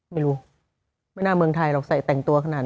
ไม่รู้ไม่น่าเมืองไทยหรอกใส่แต่งตัวขนาดนี้